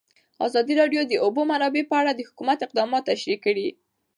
ازادي راډیو د د اوبو منابع په اړه د حکومت اقدامات تشریح کړي.